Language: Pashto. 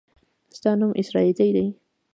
ستا نوم اسراییلي دی.